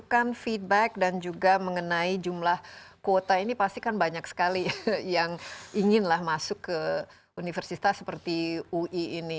kan feedback dan juga mengenai jumlah kuota ini pasti kan banyak sekali yang inginlah masuk ke universitas seperti ui ini